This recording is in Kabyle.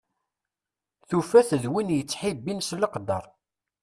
Tufa-t d win yettsetḥin s leqder.